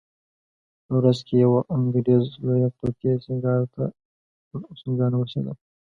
په ورځ کې یوه انګریزي لویه قطي سیګار نه بسېدل.